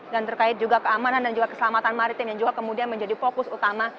dan terkait juga keamanan dan keselamatan maritim yang juga kemudian menjadi fokus utama